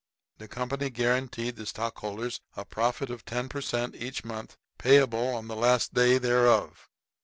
The company guaranteed the stockholders a profit of ten per cent. each month, payable on the last day thereof.